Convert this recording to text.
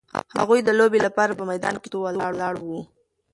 هغوی د لوبې لپاره په میدان کې چمتو ولاړ وو.